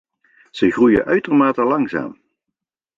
Ze groeien uitermate langzaam.